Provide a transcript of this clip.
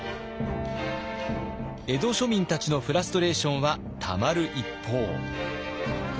江戸庶民たちのフラストレーションはたまる一方。